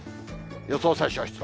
予想最小湿度。